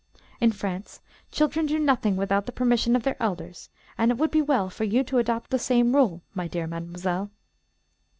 In France, children do nothing without the permission of their elders, and it would be well for you to adopt the same rule, my dear mademoiselle."